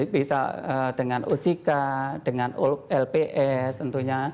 bisa dengan ojk dengan lps tentunya